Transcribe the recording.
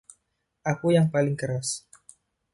Aku yang paling keras.